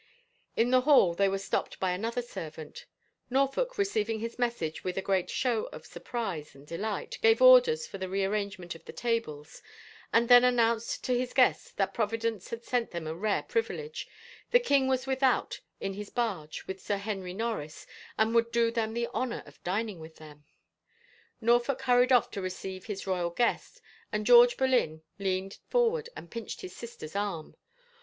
In the hall they were stopped by another servant Norfolk, receiving his message with a great show of sur prise and delight, gave orders for the rearrangement of the tables and then announced to his guests that Providence had sent them a rare privilege — the king was without in his barge with Sir Henry Norris, and would do them the honor of dining with them. Norfolk hurried off to receive his royal guest and George Boleyn leaned forward and pinched his sister's arm.